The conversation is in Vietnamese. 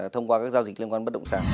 thông qua các giao dịch liên quan bất động sản